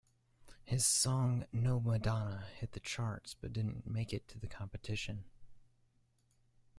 His song "No Madonna" hit the charts but didn't make it to the competition.